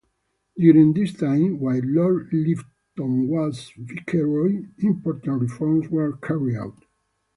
During this time, while Lord Lytton was viceroy, important reforms were carried out.